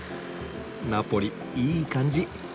ナポリいい感じ。